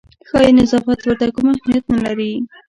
ښایي نظافت ورته کوم اهمیت نه لري.